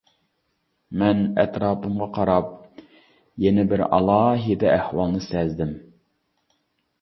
مەن ئەتراپىمغا قاراپ يەنە بىر ئالاھىدە ئەھۋالنى سەزدىم.